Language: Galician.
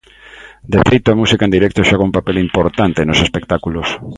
De feito, a música en directo xoga un papel importante nos espectáculos.